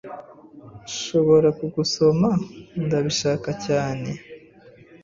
"Nshobora kugusoma?" "Ndabishaka cyane."